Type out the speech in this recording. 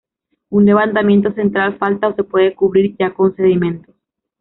Un levantamiento central falta o se puede cubrir ya con sedimentos.